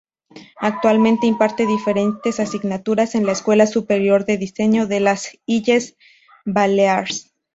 Actualmente imparte diferentes asignaturas en la Escuela Superior de Diseño de las Illes Balears.